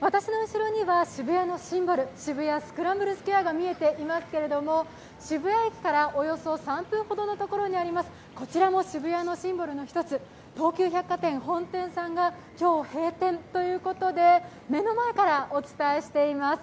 私の後ろには渋谷のシンボル、渋谷スクランブルスクエアが見えていますが渋谷駅からおよそ３分ほどにあります、こちらも渋谷のシンボル、東急百貨店本店さんが今日閉店ということで目の前からお伝えしています。